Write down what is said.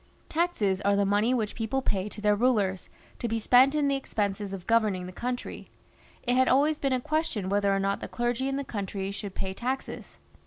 Taxes are the money which people pay to their rulers, to be spent in the expenses of governing the country. It had always been a question whether or not the clergy in the country should pay taxes.